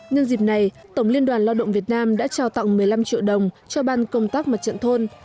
nhân dịp này tổng liên đoàn lo động việt nam đã trao tặng một mươi năm triệu đồng cho bàn công tác mật trận thôn